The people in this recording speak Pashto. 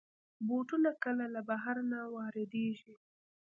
بوټونه کله له بهر نه واردېږي.